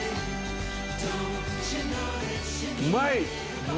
うまい！